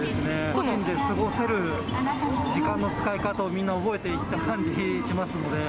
個人で過ごせる時間の使い方をみんな覚えていった感じしますので。